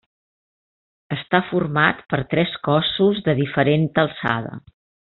Està format per tres cossos de diferent alçada.